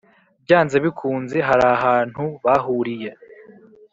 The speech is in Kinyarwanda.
byanze bikunze harahantu bahuriye